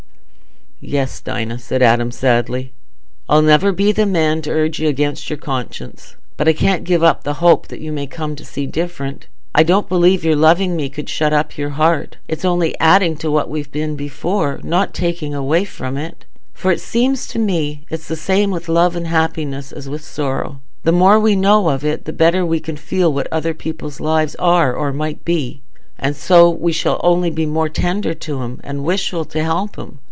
"Yes, Dinah," said Adam sadly, "I'll never be the man t' urge you against your conscience. But I can't give up the hope that you may come to see different. I don't believe your loving me could shut up your heart—it's only adding to what you've been before, not taking away from it. For it seems to me it's the same with love and happiness as with sorrow—the more we know of it the better we can feel what other people's lives are or might be, and so we shall only be more tender to 'em, and wishful to help 'em.